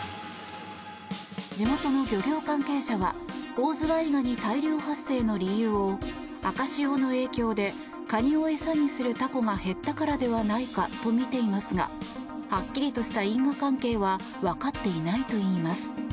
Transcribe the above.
地元の漁業関係者はオオズワイガニ大量発生の理由を赤潮の影響でカニを餌にするタコが減ったからではないかとみていますがはっきりとした因果関係は分かっていないといいます。